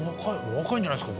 若いんじゃないんですか？